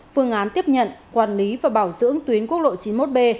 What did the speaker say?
phương án tiếp nhận quản lý và bảo dưỡng tuyến quốc lộ chín mươi một b